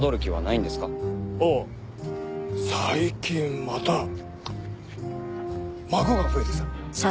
おお最近また孫が増えてさ。